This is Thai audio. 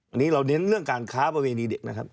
อันนี้เราเน้นเรื่องการค้าประเวณีเด็กนะครับ